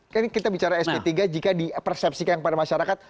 karena kita bicara sp tiga jika di persepsikan pada masyarakat